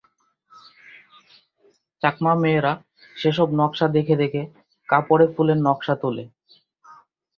চাকমা মেয়েরা সেসব নকশা দেখে দেখে কাপড়ে ফুলের নকশা তোলে।